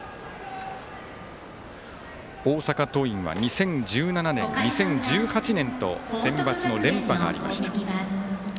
大阪桐蔭は２０１７年、２０１８年とセンバツの連覇がありました。